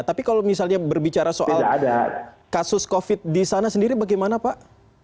tapi kalau misalnya berbicara soal kasus covid di sana sendiri bagaimana pak